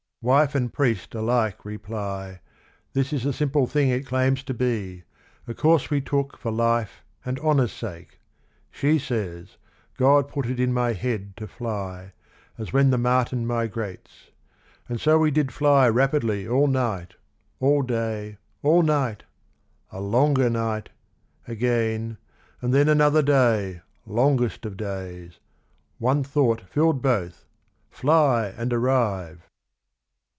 "Wife and priest alike reply '. This is the simple thing it claims to be, A course we took for life and honour's sake,' ... She says, 'God put it in my head to fly, As when the martin migrates :... And so we did fly rapidly all night, All day, all night — a longer night — again, And then another day, longest of days, ... one thought filled both, {' Fly and arrive!"'"